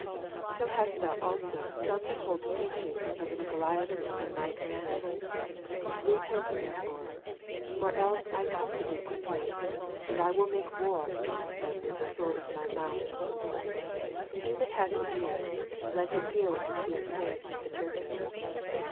So hast thou also some that hold the teaching of the Nicolaitans in like manner. Repent therefore; or else I come to thee quickly, and I will make war against them with the sword of My mouth. He that hath an ear, let him hear what the Spirit saith to the churches.